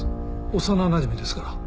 幼なじみですから。